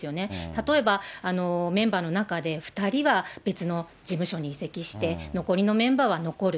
例えばメンバーの中で２人は別の事務所に移籍して、残りのメンバーは残る。